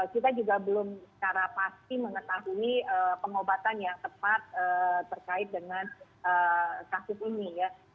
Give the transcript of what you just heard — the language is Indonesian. kita juga belum secara pasti mengetahui pengobatan yang tepat terkait dengan kasus ini ya